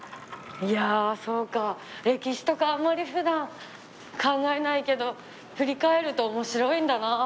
いやあそうか歴史とかあんまりふだん考えないけど振り返ると面白いんだな。